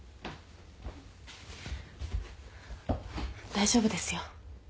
大丈夫ですよ。